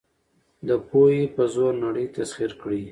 د پوهې په زور نړۍ تسخیر کړئ.